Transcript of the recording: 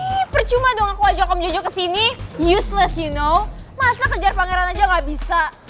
ihh percuma dong aku ajak om jojo kesini useless you know masa kejar pangeran aja gak bisa